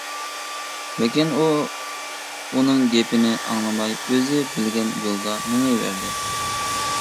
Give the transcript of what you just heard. لېكىن ئۇ ئۇنىڭ گېپىنى ئاڭلىماي ئۆزى بىلگەن يولدا مېڭىۋەردى.